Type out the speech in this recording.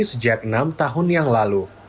sejak enam tahun yang lalu